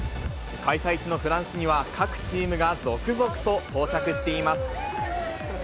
開催地のフランスには各チームが続々と到着しています。